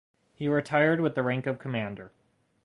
He retired with the rank of Commander.